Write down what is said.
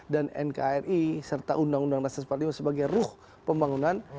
dan nkri serta undang undang nasional seperti ima sebagai ruh pembangunan